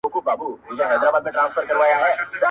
چاویل چي بم ښایسته دی ښه مرغه دی٫